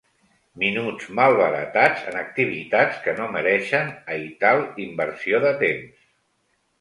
Minuts malbaratats en activitats que no mereixen aital inversió de temps.